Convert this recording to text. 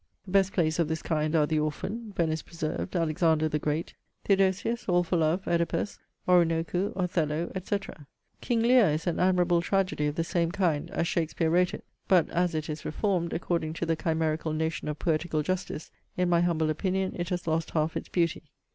'The best plays of this kind are The Orphan, Venice Preserved, Alexander the Great, Theodosius, All for Love, Oedipus, Oroonoko, Othello, &c. 'King Lear is an admirable tragedy of the same kind, as Shakespeare wrote it: but as it is reformed according to the chimerical notion of POETICAL JUSTICE, in my humble opinion it has lost half its beauty.